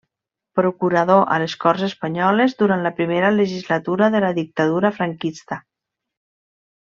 Procurador a les Corts Espanyoles durant la primera legislatura de la dictadura franquista.